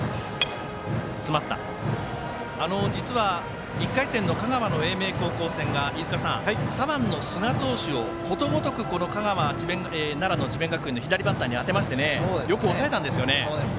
実は、１回戦の香川、英明高校戦が左腕の須田投手を奈良、智弁学園の左バッターに当てましてよく抑えたんですよね。